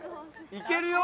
いけるよ。